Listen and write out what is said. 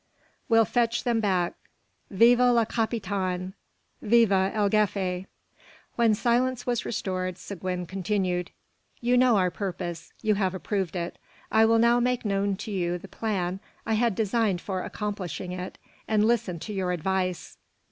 "We'll fetch them back!" "Vive le capitaine!" "Viva el gefe!" When silence was restored, Seguin continued "You know our purpose. You have approved it. I will now make known to you the plan I had designed for accomplishing it, and listen to your advice."